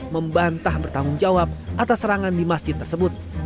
membantah bertanggung jawab atas serangan di masjid tersebut